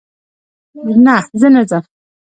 نه، زه نه ځم